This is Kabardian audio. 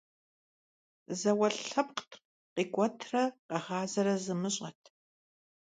ЗауэлӀ лъэпкът, къикӀуэтрэ къэгъазэрэ зымыщӀэт.